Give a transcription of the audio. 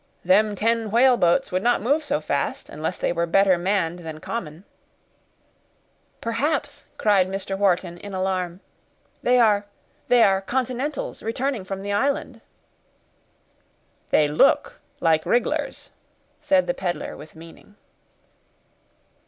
"Them ten whaleboats would not move so fast unless they were better manned than common." "Perhaps," cried Mr. Wharton in alarm, "they are—they are continentals returning from the island." "They look like rig'lars," said the peddler, with meaning.